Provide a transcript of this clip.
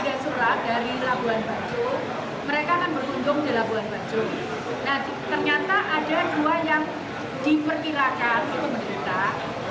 nah itu ada surat dari labuan bajo